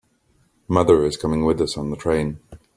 Mother is coming with us on the train.